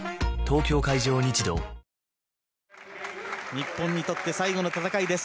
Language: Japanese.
日本にとって最後の戦いです。